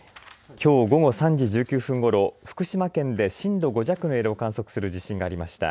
きょう午後３時１９分ごろ、福島県で震度５弱の揺れを観測する地震がありました。